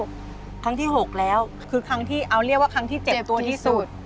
ครั้งที่๖แล้วคือครั้งที่เอาเรียกว่าครั้งที่เจ็บตัวที่สุด